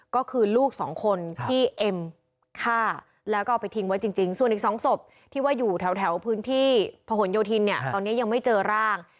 ก็คือลูกสองคนที่เอ็มฆ่าแล้วก็เอาไปทิ้งไว้จริงส่วนอีก๒ศพที่ว่าอยู่แถวพื้นที่พะหนโยธินเนี่ยตอนนี้ยังไม่เจอร่าง